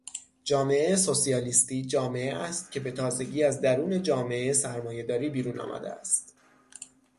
جامعهٔ سوسیالیستی جامعه است که بتازگی از درون جامعهٔ سرمایه داری بیرون آمده است.